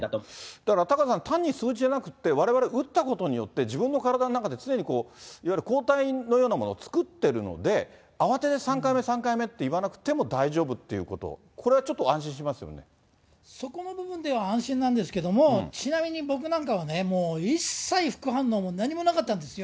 だから、タカさん、単に数字じゃなくって、われわれ、打ったことによって、自分の体の中ですでに抗体のようなものを作ってるので、慌てて３回目、３回目って言わなくても大丈夫っていうこと、そこの部分では、安心なんですけども、ちなみに僕なんかはね、もう一切副反応なかったんですよ。